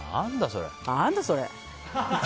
何だそれ？